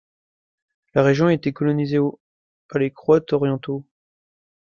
La région a été colonisée au par les Croates orientaux.